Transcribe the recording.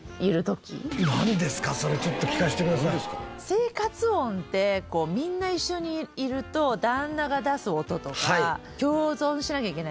生活音ってみんな一緒にいると旦那が出す音とか共存しなきゃいけないじゃないですか。